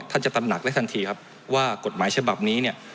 ท่านจะตำหนักได้ทันทีครับว่ากฎหมายฉบับนี้